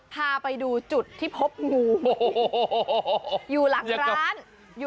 พาไปดูจุดที่พบงู